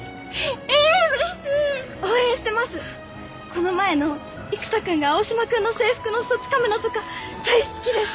この前の生田君が青島君の制服の裾つかむのとか大好きです！